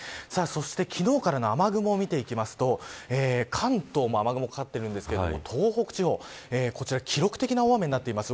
そして昨日からの雨雲を見ていきますと関東も雨雲かかっているんですが東北地方、こちら記録的な大雨になっています。